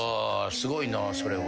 すごいなそれは。